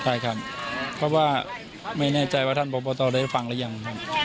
ใช่ครับเพราะว่าไม่แน่ใจว่าท่านพบตได้ฟังหรือยังครับ